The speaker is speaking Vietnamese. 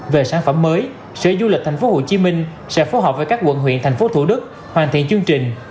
về sản phẩm mới sở du lịch tp hcm sẽ phối hợp với các quận huyện thành phố thủ đức hoàn thiện chương trình